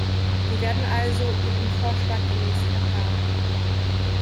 Wir werden also Ihrem Vorschlag gemäß verfahren.